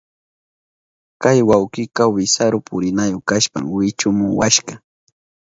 Kay wawkika wisaru purinayu kashpan wichumuwashka.